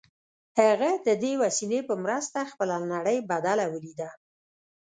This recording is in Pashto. هغه د دې وسیلې په مرسته خپله نړۍ بدله ولیده